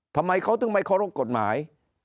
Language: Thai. ทำไมเขาถึงไม่เคารพกฎหมาย